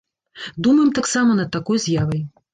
Думаем таксама над такой з'явай.